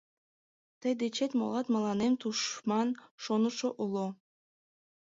Тый дечет молат мыланем тушман шонышо уло.